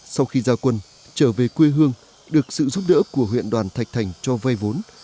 sau khi ra quân trở về quê hương được sự giúp đỡ của huyện đoàn thạch thành cho vay vốn